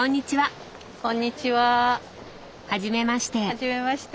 はじめまして。